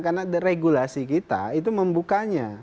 karena regulasi kita itu membukanya